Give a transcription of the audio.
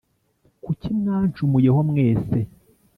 Kuki mwancumuyeho mwese